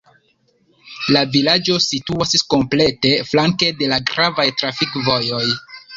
La vilaĝo situas komplete flanke de la gravaj trafikvojoj.